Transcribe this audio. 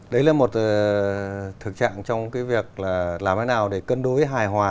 đấy là một thực trạng trong cái việc là làm thế nào để cân đối hài hòa